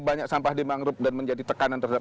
banyak sampah dimangrup dan menjadi tekanan terhadap